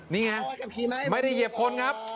นี่ไงไม่ได้เหยียบคนครับ